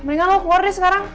mendingan lo keluar nih sekarang